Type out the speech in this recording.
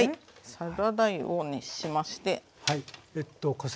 サラダ油を熱しまして。